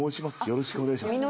よろしくお願いします。